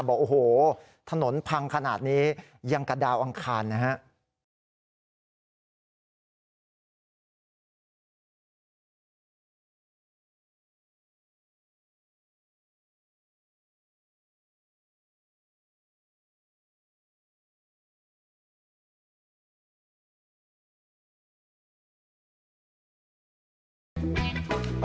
บอกโอ้โหถนนพังขนาดนี้ยังกระดาวอังคารนะครับ